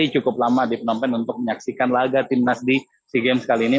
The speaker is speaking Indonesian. cukup lama di penonton untuk menyaksikan laga timnas di sea games kali ini